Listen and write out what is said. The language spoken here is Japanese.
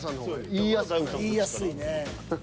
言いやすいね。